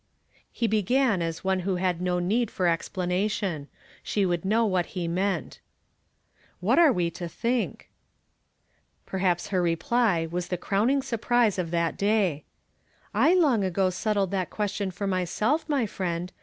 He began as one who had no need for explana tion. She would know what he meant. " What are we to think ?" Perhaps her reply was the crowning surprise of that day. "I long ago settled that question for myself, my friend.